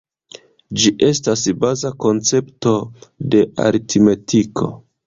Ĝi estas baza koncepto de aritmetiko.